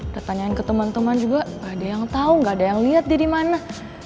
udah tanyain ke teman teman juga gak ada yang tau gak ada yang liat dia dimana